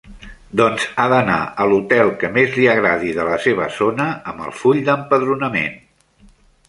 Doncs ha d'anar a l'hotel que més li agradi de la seva zona amb el full d'empadronament.